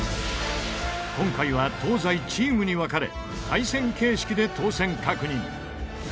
今回は東西チームに分かれ対戦形式で当せん確認。